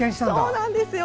そうなんですよ。